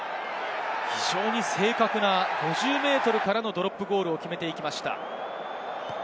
正確な５０ｍからのドロップゴールを決めていきました。